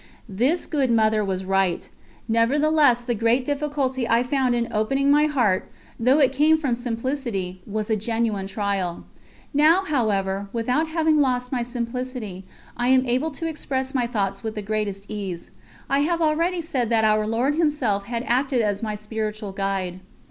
This good Mother was right. Nevertheless the great difficulty I found in opening my heart, though it came from simplicity, was a genuine trial. Now, however, without having lost my simplicity, I am able to express my thoughts with the greatest ease. I have already said that Our Lord Himself had acted as my Spiritual Guide.